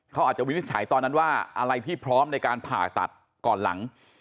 เขาอาจจะวินิจฉัยตอนนั้นว่าอะไรที่พร้อมในการผ่าตัดก่อนหลัง